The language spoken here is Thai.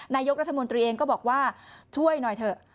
นายกรัฐมนตรีเองก็บอกว่าช่วยหน่อยเถอะ